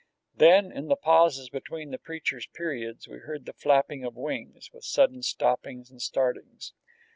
Then in the pauses between the preacher's periods we heard the flapping of wings, with sudden stoppings and startings.